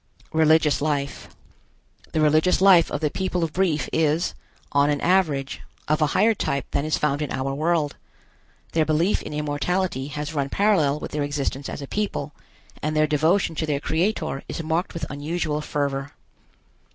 RELIGIOUS LIFE. The religious life of the people of Brief is, on an average, of a higher type than is found in our world. Their belief in immortality has run parallel with their existence as a people, and their devotion to their Creator is marked with unusual fervor.